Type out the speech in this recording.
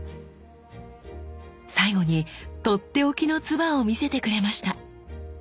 最後にとっておきの鐔を見せてくれました。